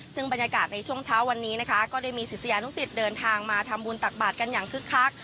ซึ่งบรรยากาศในช่วงเช้าวันนี้นะคะก็ได้มีศิษยานุสิตเดินทางมาทำบุญตักบาทกันอย่างคึกคัก